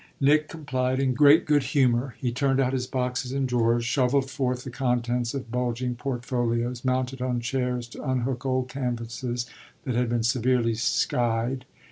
Nick complied in great good humour. He turned out his boxes and drawers, shovelled forth the contents of bulging portfolios, mounted on chairs to unhook old canvases that had been severely "skied."